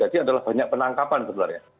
jadi adalah banyak penangkapan sebenarnya